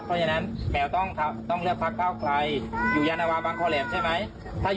เพราะฉะนั้นแมวต้องเลือกภักด์ข้าวใครอยู่ฮมองใช่ไหม